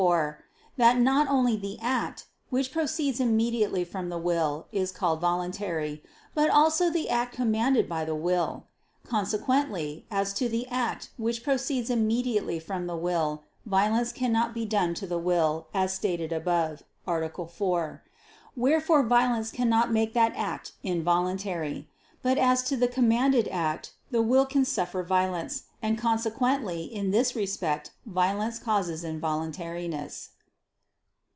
4) that not only the act, which proceeds immediately from the will, is called voluntary, but also the act commanded by the will. Consequently, as to the act which proceeds immediately from the will, violence cannot be done to the will, as stated above (A. 4): wherefore violence cannot make that act involuntary. But as to the commanded act, the will can suffer violence: and consequently in this respect violence causes involuntariness.